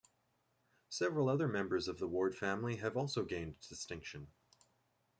Several other members of the Ward family have also gained distinction.